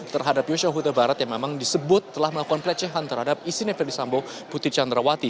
terhadap syahuta barat yang memang disebut telah melakukan pelecehan terhadap isi neferi sabu putri candrawati